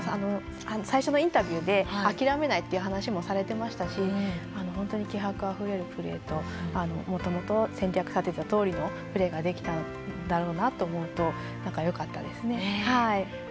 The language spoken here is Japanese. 最初のインタビューで諦めないっていう話もされていましたし本当に気迫あふれるプレーともともと、戦略立てたとおりのプレーができたんだろうなと思うとよかったですね。